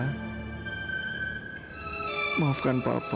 papa enggak mau jadi duri dalam daging kehidupan kamu mila